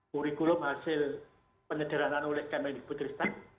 kurikulum hasil penyederhanaan oleh kmri putristag